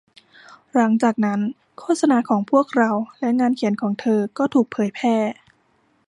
หลังจากนั้น โฆษณาของพวกเราและงานเขียนของเธอก็ถูกแผยแพร่